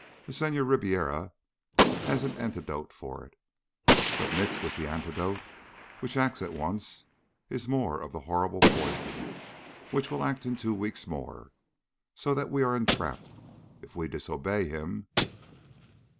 The Senhor Ribiera has an antidote for it. But mixed with the antidote, which acts at once, is more of the horrible poison, which will act in two weeks more. So that we are entrapped. If we disobey him...."